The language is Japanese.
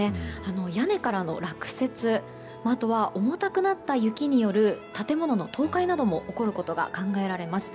屋根からの落雪あとは重たくなった雪による建物の倒壊なども起こることが考えられます。